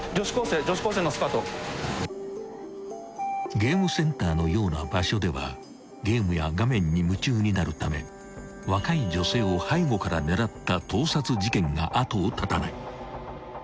［ゲームセンターのような場所ではゲームや画面に夢中になるため若い女性を背後から狙った盗撮事件が後を絶たない］